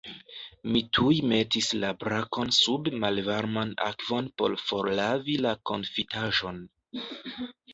Mi tuj metis la brakon sub malvarman akvon por forlavi la konfitaĵon.